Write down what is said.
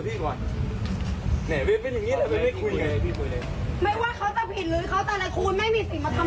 ไม่ว่าเขาจะผิดหรือเขาจะไร้คุณไม่มีสิทธิ์มาทำร้ายร่างกายเขาแบบนี้